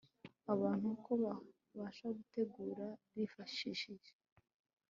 abantu uko babasha gutegura bifashishije